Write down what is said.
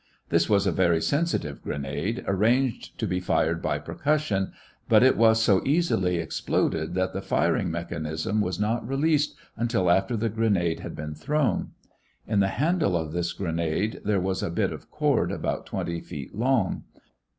This was a very sensitive grenade, arranged to be fired by percussion, but it was so easily exploded that the firing mechanism was not released until after the grenade had been thrown. In the handle of this grenade there was a bit of cord about twenty feet long.